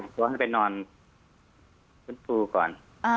ไปส่งตัวไปนอนคุณฟูก่อน